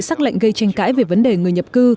xác lệnh gây tranh cãi về vấn đề người nhập cư